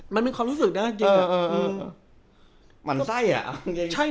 มันมีความรู้สึกนะจริงใช่